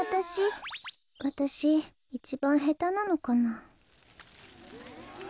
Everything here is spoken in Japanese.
こころのこえわたしいちばんへたなのかな。